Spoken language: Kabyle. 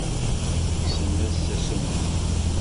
Kksen-as tasummta.